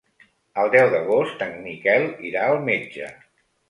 El deu d'agost en Miquel irà al metge.